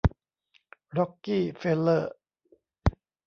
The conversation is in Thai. ร็อกกี้เฟลเลอร์